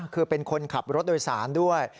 คือเป็นคนขับรถโดยสารด้วย